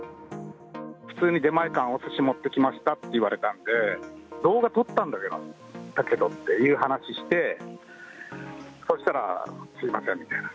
普通に出前館おすし持ってきましたって言われたんで、動画撮ったんだけどっていう話して、そしたら、すみませんみたいな。